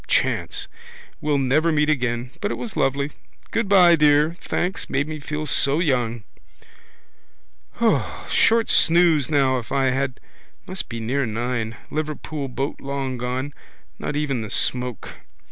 Chance. We'll never meet again. But it was lovely. Goodbye, dear. Thanks. Made me feel so young. Short snooze now if I had. Must be near nine. Liverpool boat long gone. Not even the smoke.